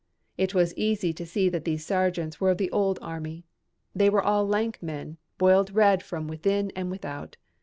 It was easy to see that these sergeants were of the old army. They were all lank men, boiled red from within and without.